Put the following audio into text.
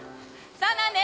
そうなんです。